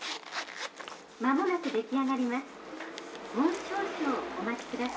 「間もなく出来上がります。